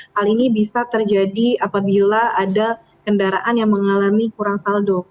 hal ini bisa terjadi apabila ada kendaraan yang mengalami kurang saldo